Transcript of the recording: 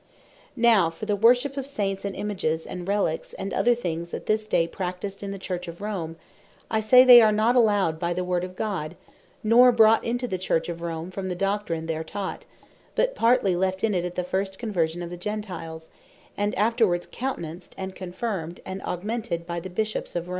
Now for the Worship of Saints, and Images, and Reliques, and other things at this day practised in the Church of Rome, I say they are not allowed by the Word of God, not brought into the Church of Rome, from the Doctrine there taught; but partly left in it at the first conversion of the Gentiles; and afterwards countenanced, and confirmed, and augmented by the Bishops of Rome.